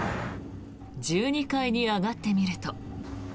１２階に上がってみると。